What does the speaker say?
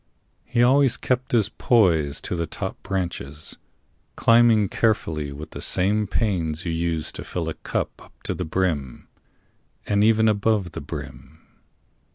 He always kept his poise To the top branches, climbing carefully With the same pains you use to fill a cup Up to the brim, and even above the brim.